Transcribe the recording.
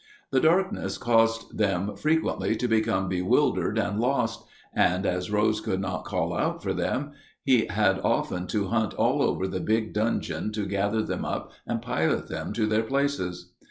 The darkness caused them frequently to become bewildered and lost; and as Rose could not call out for them, he had often to hunt all over the big dungeon to gather them up and pilot them to their places.